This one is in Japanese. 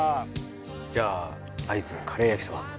じゃあ会津カレー焼きそば。